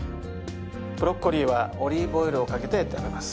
ブロッコリーはオリーブオイルをかけて食べます。